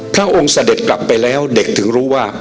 พระองค์เสด็จกลับไปแล้วเด็กถึงรู้ว่า